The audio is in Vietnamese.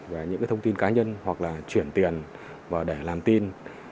về những thông tin cá nhân hoặc là chuyển tiền và để làm tin